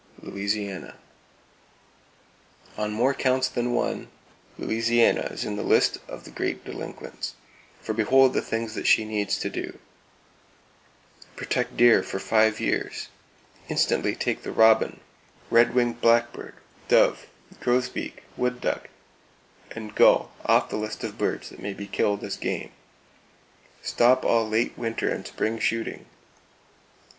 Louisiana: On more counts than one, Louisiana is in the list of Great Delinquents; for behold the things that she needs to do: Protect deer for five years. Instantly take the robin, red winged black bird, dove, grosbeak, wood duck and gull off the list of birds that may be killed as "game." Stop all late winter and spring shooting.